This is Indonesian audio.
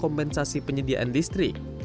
kompensasi penyediaan listrik